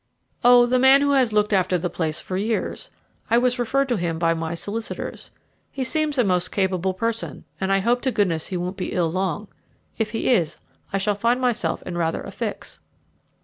"Oh, the man who has looked after the place for years. I was referred to him by my solicitors. He seems a most capable person, and I hope to goodness he won't be ill long. If he is I shall find myself in rather a fix."